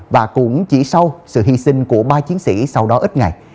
và cũng chỉ sau sự hy sinh của ba chiến sĩ sau đó ít ngày